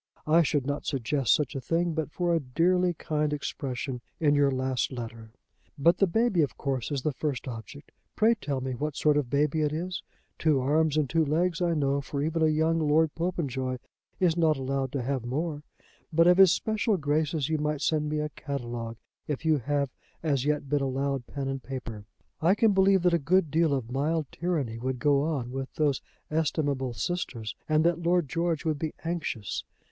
I should not suggest such a thing but for a dearly kind expression in your last letter. "But the baby of course is the first object. Pray tell me what sort of a baby it is. Two arms and two legs, I know, for even a young Lord Popenjoy is not allowed to have more; but of his special graces you might send me a catalogue, if you have as yet been allowed pen and paper. I can believe that a good deal of mild tyranny would go on with those estimable sisters, and that Lord George would be anxious.